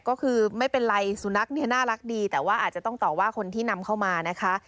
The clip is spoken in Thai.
ก็คือไม่เป็นไรสุนัขเนี่ยน่ารักดีแต่ว่าอาจจะต้องต่อว่าคนที่นำเข้ามานะคะ